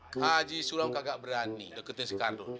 haji sulam kagak berani deketin si kardun